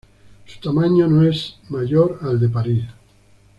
Su tamaño no es mayor al de París.